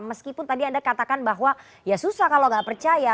meskipun tadi anda katakan bahwa ya susah kalau nggak percaya